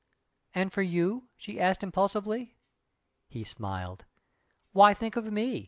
"And for you?" she asked impulsively. He smiled. "Why think of me?"